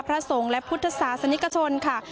พระสงฆ์และพุทธศาสนิกชนค่ะ